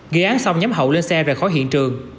ghi án xong nhóm hậu lên xe và khỏi hiện trường